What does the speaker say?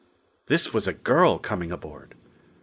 This was a girl coming aboard.